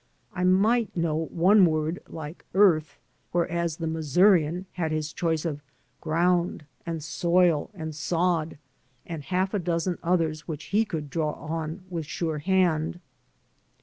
I might know one word like "earth," whereas the Missourian had his choice of "ground" and "soil" and "sod" and half a dozen others which he could draw on with a sure hand.